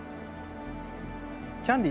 キャンディー